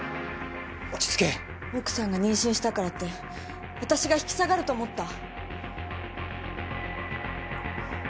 奥さんが妊娠したからって私が引き下がると思った？